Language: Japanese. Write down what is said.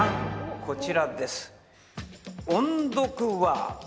こちらです。